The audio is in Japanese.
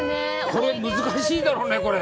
これ、難しいだろうね、これ。